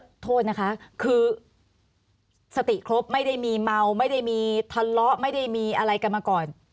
โทษนะคะคือสติครบไม่ได้มีเมาไม่ได้มีทะเลาะไม่ได้มีอะไรกันมาก่อน